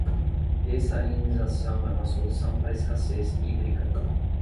Dessalinização é uma solução para a escassez hídrica